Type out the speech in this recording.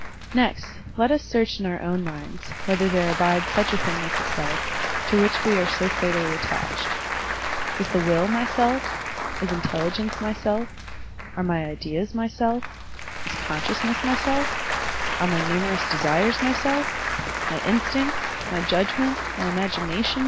Next, let us search in our own minds whether there abides such a thing as the self, to which we are so fatally attached. Is the will my self? Is intelligence my self? Are my ideas my self? Is consciousness my self? Are my ntmierous desires my self? My instincts? my judgment? my imagination?